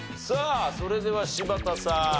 さあそれでは柴田さん。